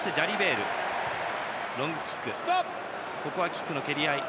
キックの蹴り合い。